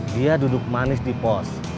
dia duduk manis di pos